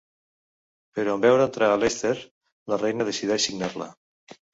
Però en veure entrar a Leicester, la reina decideix signar-la.